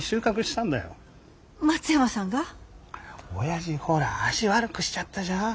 親父ほら足悪くしちゃったじゃん。